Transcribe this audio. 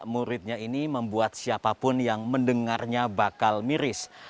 muridnya ini membuat siapapun yang mendengarnya bakal miris